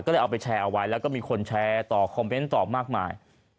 ก็เลยเอาไปแชร์เอาไว้แล้วก็มีคนแชร์ต่อคอมเมนต์ต่อมากมาย